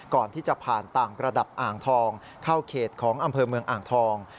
ก่อนที่จะผ่านต่างระดับอ่างทองเข้าเขตของอำเภอเมืองอ่างทอง